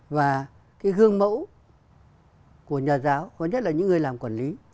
và cái gương mẫu của nhà giáo có nhất là những người làm quản lý